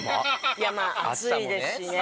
いやまあ暑いですしね。